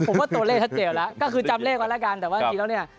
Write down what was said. ผมว่าตัวเลขชัดเจนแล้วก็คือจำเลขไว้แล้วกันแต่ว่าจริงแล้วเนี่ย